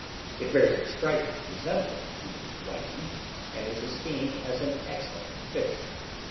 It bears a striking resemblance to the whiting, and is esteemed as an excellent fish.